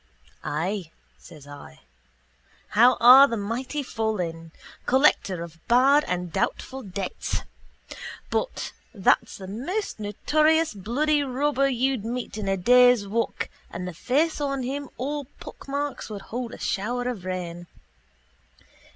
—Ay, says I. How are the mighty fallen! Collector of bad and doubtful debts. But that's the most notorious bloody robber you'd meet in a day's walk and the face on him all pockmarks would hold a shower of rain.